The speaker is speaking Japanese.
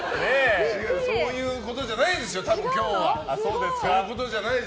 そういうことじゃないですよ多分、今日は。